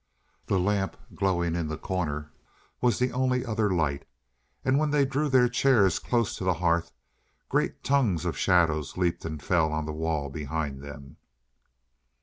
The lamp glowing in the corner was the only other light, and when they drew their chairs close to the hearth, great tongues of shadows leaped and fell on the wall behind them.